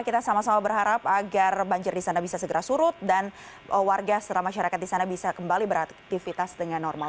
kita sama sama berharap agar banjir di sana bisa segera surut dan warga setelah masyarakat di sana bisa kembali beraktivitas dengan normal